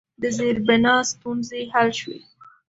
د زیربنا ستونزې حل شوي؟